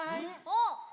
おっ！